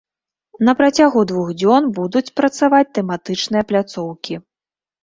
На працягу двух дзён будуць працаваць тэматычныя пляцоўкі.